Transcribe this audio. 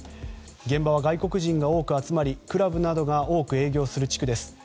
現場は外国人が多く集まりクラブなどが多く営業する地区です。